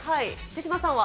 手嶋さんは？